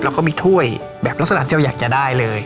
แล้วก็มีถ้วยแบบลักษณะที่เราอยากจะได้เลย